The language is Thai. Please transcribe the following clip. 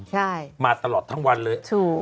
ใช่มาตลอดทั้งวันเลย